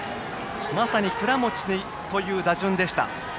まさに倉持という打順でした。